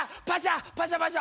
パシャ！